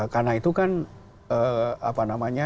karena itu kan apa namanya